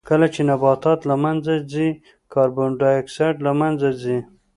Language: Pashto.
کله چې نباتات له منځه ځي کاربن ډای اکسایډ له منځه ځي.